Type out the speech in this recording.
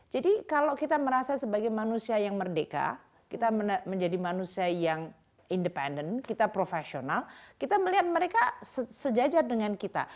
jadi kalau kita merasa sebagai manusia yang merdeka kita menjadi manusia yang independen kita profesional kita melihat mereka sejajar dengan kita